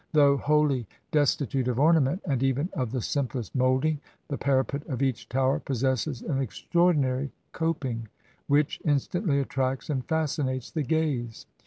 Though wholly desti tute of ornament, and even of the simplest moulding, the parapet of each Tower possesses an extraordinary cop ing, which instantly attracts and fascinates the gaze.